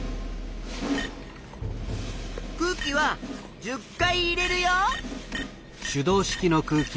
空気は１０回入れるよ。